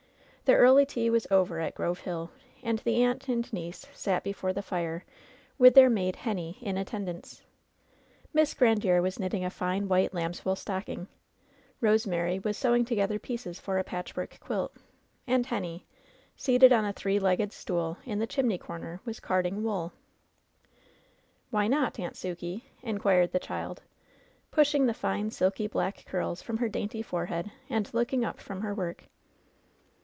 The early tea was over at Grove Hill, and the aunt and niece sat before the fire^ with their maid Henny in attendance. Miss Grandiere was knitting a fine white lamb's wool stocking; Rosemary was sewing together pieces for a patchwork quilt; and Henny, seated on a three le^ed stool in the chimney comer, was carding wool. "Why not, Aimt Sukey ?" inquired the child, pushing the fine, silky black curls from her dainty forehead and looking up from her work.